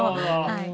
はい。